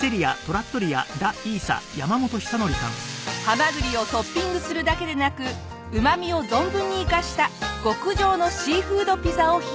ハマグリをトッピングするだけでなくうまみを存分に生かした極上のシーフードピザを披露！